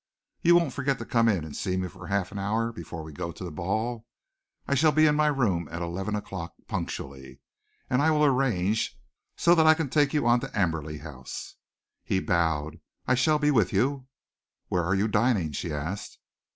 You won't forget to come in and see me for half an hour before we go on to the ball? I shall be in my room at eleven o'clock punctually, and I will arrange so that I can take you on to Amberley House." He bowed. "I shall be with you." "Where are you dining?" she asked.